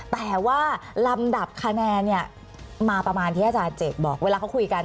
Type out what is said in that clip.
แต่ว่าลำดับคะแนนเนี่ยมาประมาณที่อาจารย์เจกบอกเวลาเขาคุยกัน